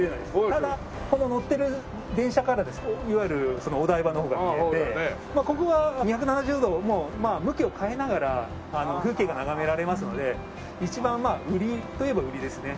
ただこの乗ってる電車からですねいわゆるお台場の方が見えてここは２７０度向きを変えながら風景が眺められますので一番売りといえば売りですね。